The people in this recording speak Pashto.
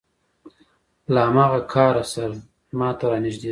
له هماغه قهره سره ما ته را نږدې شو.